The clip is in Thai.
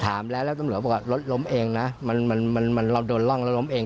ถามแล้วแล้วตำรวจบอกว่ารถล้มเองนะมันเราโดนร่องแล้วล้มเอง